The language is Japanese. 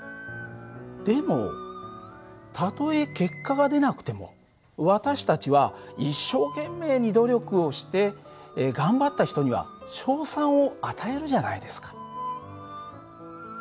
でもたとえ結果が出なくても私たちは一生懸命に努力をして頑張った人には賞賛を与えるじゃないですか。